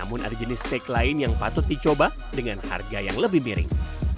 namun ada jenis steak lain yang patut dicoba dengan harga yang lebih miring